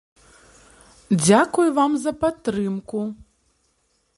Дзякуй вам за падтрымку!